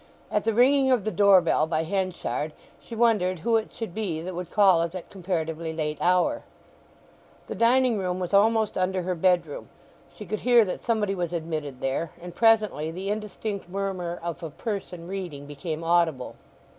At the ringing of the door bell by Henchard she wondered who it should be that would call at that comparatively late hour. The dining room was almost under her bed room; she could hear that somebody was admitted there, and presently the indistinct murmur of a person reading became audible.